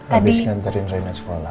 habis nganterin rina sekolah